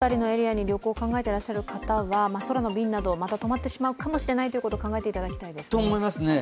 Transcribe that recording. この時期にですのでこの辺りのエリアに旅行を考えていらっしゃる方は、空の便などまた止まってしまうということを考えていただきたいですね。と思いますね。